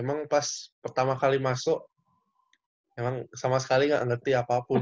emang pas pertama kali masuk emang sama sekali nggak ngerti apapun